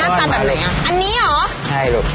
มันน่าจะแบบไหนอ่ะอันนี้หรอใช่ลุง